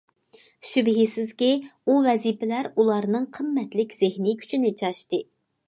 شۈبھىسىزكى، ئۇ ۋەزىپىلەر ئۇلارنىڭ قىممەتلىك زېھنىي كۈچىنى چاچتى.